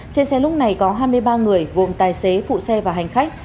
trên xe lúc này có hai mươi ba người gồm tài xế phụ xe và hành khách